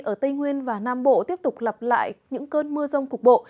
ở tây nguyên và nam bộ tiếp tục lặp lại những cơn mưa rông cục bộ